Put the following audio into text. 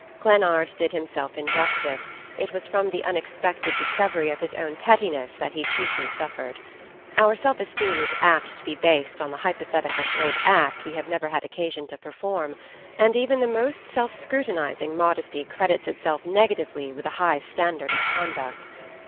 Glennard did himself injustice, it was from the unexpected discovery of his own pettiness that he chiefly suffered. Our self esteem is apt to be based on the hypothetical great act we have never had occasion to perform; and even the most self scrutinizing modesty credits itself negatively with a high standard of conduct.